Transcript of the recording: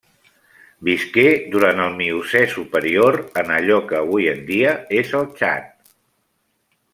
Visqué durant el Miocè superior en allò que avui en dia és el Txad.